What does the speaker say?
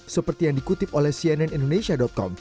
seperti yang dikutip oleh cnnindonesia com